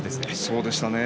そうでしたね。